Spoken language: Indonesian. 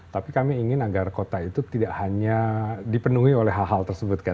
tapi kami ingin agar kota itu tidak hanya dipenuhi oleh hal hal tersebut kan